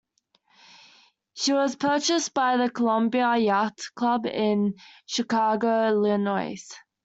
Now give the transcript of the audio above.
She was purchased by the Columbia Yacht Club in Chicago, Illinois.